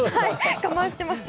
我慢してました。